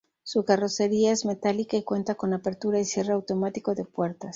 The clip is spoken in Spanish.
Su carrocería es metálica y cuenta con apertura y cierre automático de puertas.